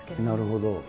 なるほど。